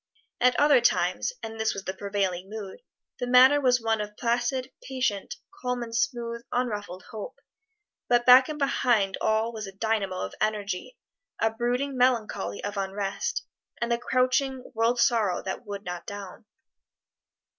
At other times and this was the prevailing mood the manner was one of placid, patient, calm and smooth, unruffled hope; but back and behind all was a dynamo of energy, a brooding melancholy of unrest, and the crouching world sorrow that would not down.